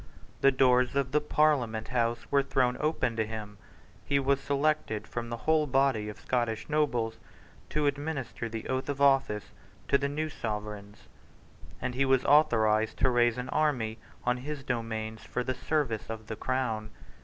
The doors of the Parliament House were thrown open to him: he was selected from the whole body of Scottish nobles to administer the oath of office to the new Sovereigns; and he was authorised to raise an army on his domains for the service of the Crown.